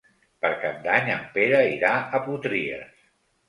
Per Cap d'Any en Pere irà a Potries.